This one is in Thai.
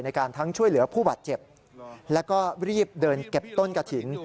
ทั้งช่วยเหลือผู้บาดเจ็บแล้วก็รีบเดินเก็บต้นกระถิ่น